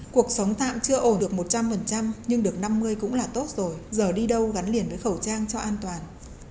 cuộc sống tạm chưa ổ được một trăm linh nhưng được năm mươi cũng là tốt rồi giờ đi đâu gắn liền với khẩu trang cho an toàn